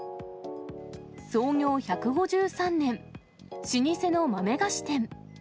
創業１５３年、老舗の豆菓子店。